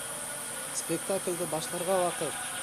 Спектаклде башларға ваҡыт!